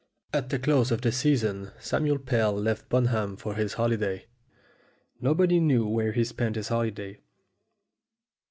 At the close of the season Samuel Pell left Bunham for his holiday. Nobody knew where he spent his holiday.